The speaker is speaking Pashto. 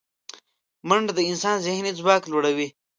منډه د انسان ذهني ځواک لوړوي